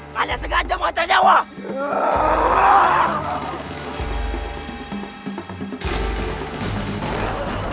kalian sengaja mau hantar jawab